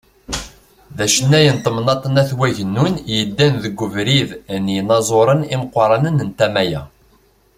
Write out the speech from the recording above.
D acennay n temnaḍt n At Wagennun, yeddan deg ubrid n yinaẓuren imeqranen n tama-a.